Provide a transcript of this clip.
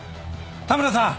田村さん？